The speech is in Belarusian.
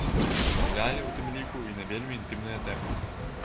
Размаўлялі, у тым ліку, і на вельмі інтымныя тэмы.